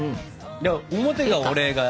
表が俺が。